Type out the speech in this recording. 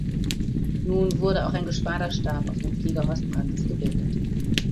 Nun wurde auch ein Geschwaderstab auf dem Fliegerhorst Brandis gebildet.